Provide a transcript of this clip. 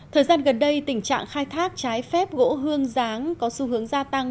thời gian gần đây tình trạng khai thác trái phép gỗ hương giáng có xu hướng gia tăng